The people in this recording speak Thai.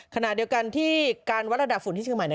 ขณะเดียวกันที่การวัดระดับฝุ่นที่เชียงใหม่เนี่ย